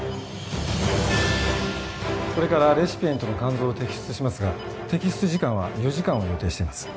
これからレシピエントの肝臓を摘出しますが摘出時間は４時間を予定しています。